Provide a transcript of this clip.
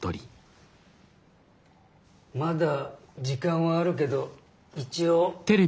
まだ時間はあるけど一応。